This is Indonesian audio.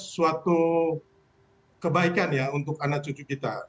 suatu kebaikan ya untuk anak cucu kita